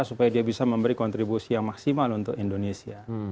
supaya dia bisa memberi kontribusi yang maksimal untuk indonesia